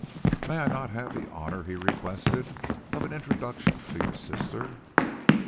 "May I not have the honor," he requested, "of an introduction to your sister?"